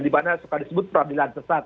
di mana suka disebut peradilan sesat